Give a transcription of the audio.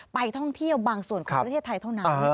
ไปท่องเที่ยวบางส่วนของประเทศไทยเท่านั้น